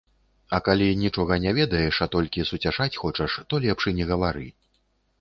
А калі нічога не ведаеш, а толькі суцяшаць хочаш, то лепш і не гавары.